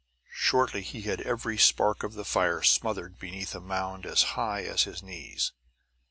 Shortly he had every spark of the fire smothered beneath a mound as high as his knees.